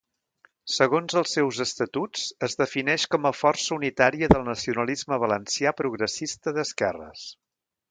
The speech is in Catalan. Segons els seus estatuts es defineix com a força unitària del nacionalisme valencià progressista d'esquerres.